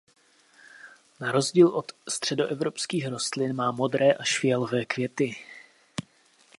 Na rozdíl od středoevropských rostlin má modré až fialové květy.